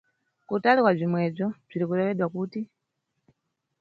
Kutali kwa bzomwedzo Bzirikulewedwa kuti.